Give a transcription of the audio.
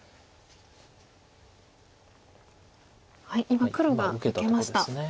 今黒が受けました。